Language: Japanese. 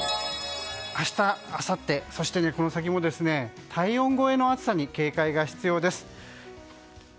明日、あさってそしてこの先も体温超えの暑さに警戒が必要です。